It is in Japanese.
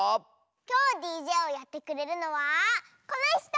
きょうＤＪをやってくれるのはこのひと！